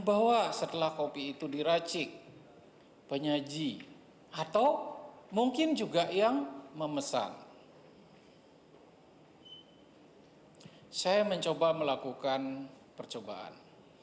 bahwa setelah kopi itu diracik penyaji atau mungkin juga yang memesan saya mencoba melakukan percobaan